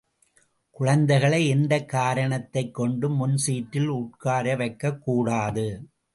குழந்தைகளை எந்தக் காரணைத்தைக் கொண்டும் முன் சீட்டில் உட்காரவைக்கக் கூடாது.